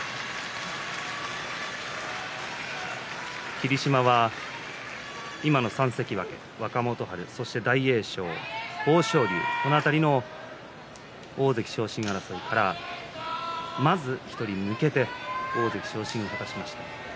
霧島は今の３関脇若元春、大栄翔、豊昇龍この辺りの大関昇進争いからまず１人抜けて大関昇進を果たしました。